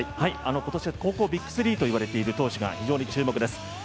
今年は高校ＢＩＧ３といわれている投手が非常に注目です。